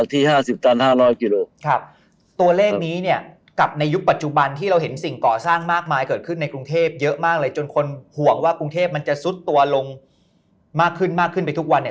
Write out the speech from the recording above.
ที่๕๐ตัน๕๐๐กิโลครับตัวเลขนี้เนี่ยกับในยุคปัจจุบันที่เราเห็นสิ่งก่อสร้างมากมายเกิดขึ้นในกรุงเทพเยอะมากเลยจนคนห่วงว่ากรุงเทพมันจะซุดตัวลงมากขึ้นมากขึ้นไปทุกวันเนี่ย